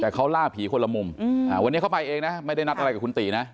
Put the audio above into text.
แต่เขาล่าผีคนละมุมวันนี้เขาไปเองนะไม่ได้นัดอะไรกับคุณตีนะ